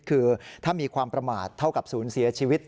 คือถ้ามีความประมาทเท่ากับศูนย์เสียชีวิต